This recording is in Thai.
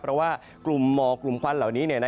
เพราะว่ากลุ่มหมอกกลุ่มควันเหล่านี้